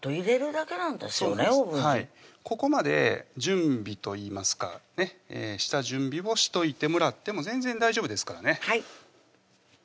オーブンにここまで準備といいますかね下準備をしといてもらっても全然大丈夫ですからね